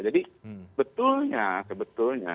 jadi betulnya sebetulnya